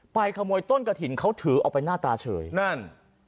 ขโมยต้นกระถิ่นเขาถือออกไปหน้าตาเฉยนั่น